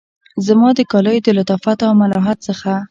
زما د کالیو د لطافت او ملاحت څخه